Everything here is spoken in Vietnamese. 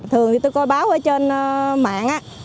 thường tôi coi báo trên mạng